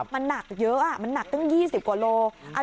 มันหนักเยอะมันหนักตั้ง๒๐กว่าโล